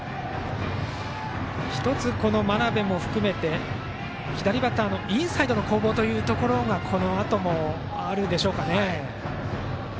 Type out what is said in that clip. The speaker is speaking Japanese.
１つ、真鍋も含めて左バッターのインサイドの攻防というところがこのあともあるでしょうかね。